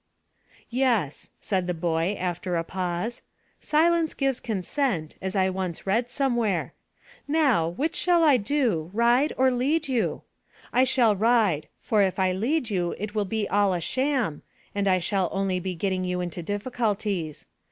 "Yes," said the boy, after a pause; "silence gives consent, as I once read somewhere. Now, which shall I do, ride or lead you? I shall ride, for if I lead you it will be all a sham, and I shall only be getting you into difficulties.